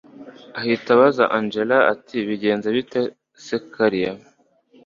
ahita abaza angella ati bigenze bite se kellia